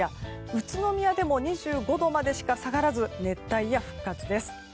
宇都宮でも２５度までしか下がらず熱帯夜復活です。